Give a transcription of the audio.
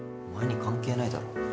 お前に関係ないだろ。